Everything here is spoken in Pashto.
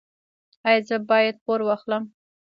ایا زه باید پور واخلم؟